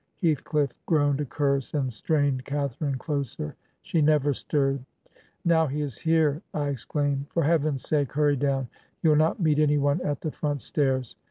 Heathcliff groaned a curse, and strained Catharine closer: she never stirred. ... 'Now he is here/ I exclaimed. ' For heaven's sake hurry down. You'll not meet any one at the front stairs.